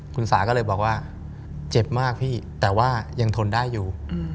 คุณสาก็เลยบอกว่าเจ็บมากพี่แต่ว่ายังทนได้อยู่